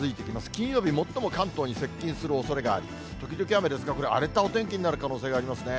金曜日、最も関東に接近するおそれがあり、時々雨ですが、これ、荒れたお天気になる可能性がありますね。